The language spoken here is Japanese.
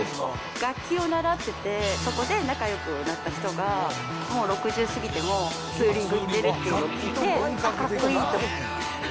楽器を習ってて、そこで仲よくなった人が、もう６０過ぎてもツーリング行ってるっていうのを聞いて、かっこいいと思って。